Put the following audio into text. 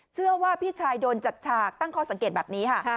เชื่อว่าพี่ชายโดนจัดฉากตั้งข้อสังเกตแบบนี้ค่ะ